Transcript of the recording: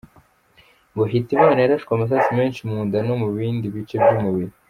Ngo Hitimana yarashwe amasasu menshi mu nda no mu bindi bice by’ umuriri.